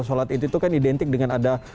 sholat id itu kan identik dengan ada